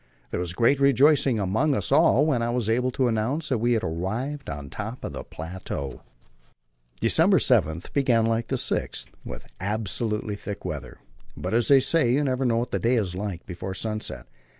There was great rejoicing among us all when I was able to announce that we had arrived on the top of the plateau. December 7 began like the 6th, with absolutely thick weather, but, as they say, you never know what the day is like before sunset.